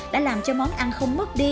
đã làm cho món ăn không mất đi